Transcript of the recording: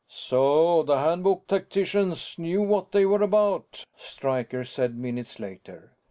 "So the Handbook tacticians knew what they were about," Stryker said minutes later.